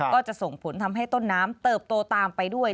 ก็จะส่งผลทำให้ต้นน้ำเติบโตตามไปด้วย